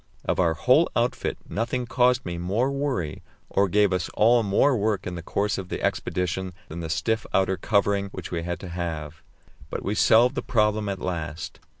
Of our whole outfit nothing caused me more worry or gave us all more work in the course of the expedition than the stiff outer covering which we had to have; but we solved the problem at last.